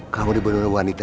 kamu dibunuh oleh wanita